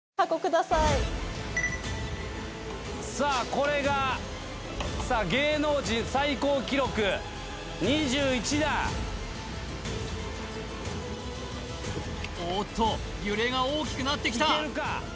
これが芸能人最高記録２１段おっと揺れが大きくなってきた